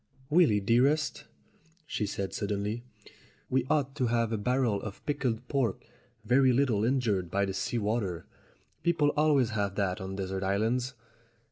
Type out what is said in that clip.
"Willy, dearest," she said suddenly, "we ought to have a barrel of pickled pork, very little injured by the sea water. People always have that on desert islands."